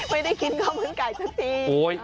ไม่ได้กินความเหมือนไก่สักที